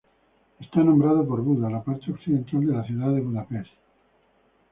Está nombrado por Buda, la parte occidental de la ciudad de Budapest.